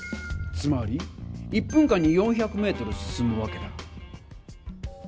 つまり１分間に４００メートル進むわけだ。